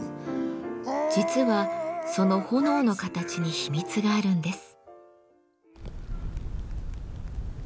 実はその炎の形に秘密があるんです。